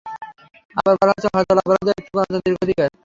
আবার বলা হচ্ছে, হরতাল অবরোধ একটি গণতান্ত্রিক অধিকার।